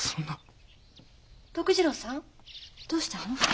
徳次郎さんどうしたの？